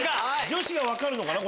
女子分かるのかな。